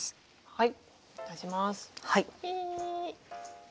はい。